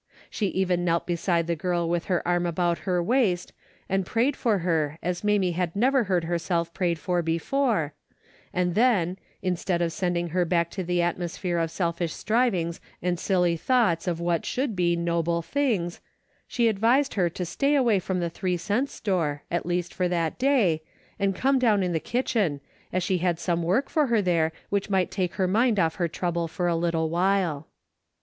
She even knelt beside the girl with her arm about her waist, and praj^ed for her as Mamie had never heard herself prayed for before, and then, instead of sending her back to the atmosphere of selfish strivings and silly thoughts of what should be noble things, she advised her to stay away from the three cent store, at least for that day, and come down in the kitchen, as she had some work for her there which might take her mind off her trouble for a little while.